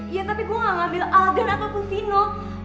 iya tapi gue gak ambil alden ataupun vino